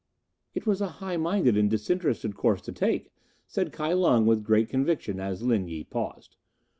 "It was a high minded and disinterested course to take," said Kai Lung with great conviction, as Lin Yi paused.